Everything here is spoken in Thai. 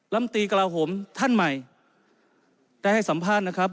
ลำตีกระลาโหมท่านใหม่ได้ให้สัมภาษณ์นะครับ